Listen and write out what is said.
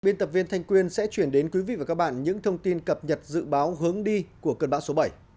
biên tập viên thanh quyên sẽ chuyển đến quý vị và các bạn những thông tin cập nhật dự báo hướng đi của cơn bão số bảy